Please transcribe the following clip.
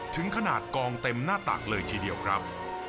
ถึงขนาดกองเต็มหน้าตักเลยทีเดียวครับ